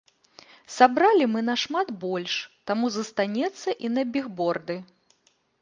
Сабралі мы нашмат больш, таму застанецца і на бігборды.